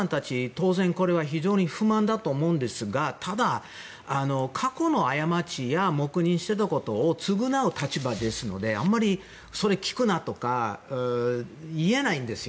当然これは非常に不満だと思うんですがただ過去の過ちや黙認していたことを償う立場ですのでそれを聞くなとかあまり言えないんですよ。